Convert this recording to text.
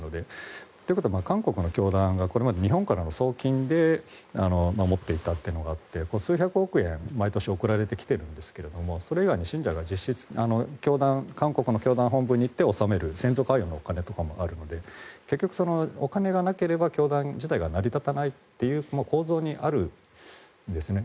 韓国の教団もこれまで日本からの送金で持っていたというのがあって数百億円毎年送られてきているんですがそれ以外に信者が韓国の教団本部に行って納める先祖供養のお金とかもあるので結局お金がなければ教団自体が成り立たないという構造にあるんですね。